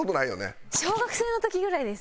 小学生の時ぐらいです。